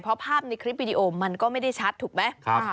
เพราะภาพในคลิปวิดีโอมันก็ไม่ได้ชัดถูกไหม